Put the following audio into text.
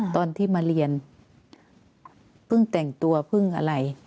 ตอนที่มาเรียนเพิ่งแต่งตัวเพิ่งอะไร